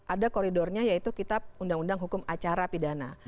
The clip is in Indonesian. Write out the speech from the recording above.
ada koridornya yaitu kitab undang undang hukum acara pidana